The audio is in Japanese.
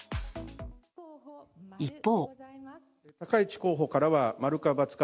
一方。